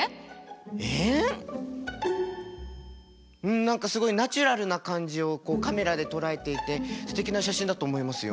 ん何かすごいナチュラルな感じをカメラで捉えていてすてきな写真だと思いますよ。